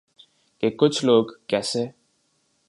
کہ ’کچھ لوگ کیسے